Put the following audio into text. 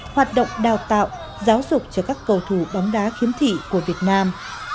hoạt động đào tạo giáo dục cho các cầu thủ bóng đá khiếm thị của việt nam